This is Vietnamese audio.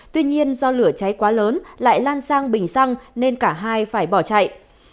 tuy nhiên do lửa cháy quá lớn lại lan sang bình xăng nên cả hai phải bỏ chạy